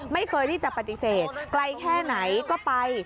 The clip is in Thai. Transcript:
ไม่เคยที่จะปฏิเสธไกลแค่ไหนก็ไป